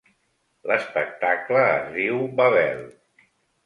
L'espectacle es diu Babel.